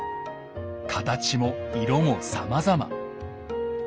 形も色もさまざま。